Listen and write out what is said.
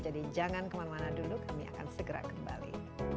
jadi jangan kemana mana dulu kami akan segera kembali